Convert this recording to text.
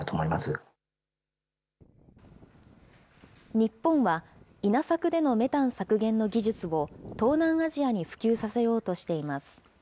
日本は稲作でのメタン削減の技術を東南アジアに普及させようとしています。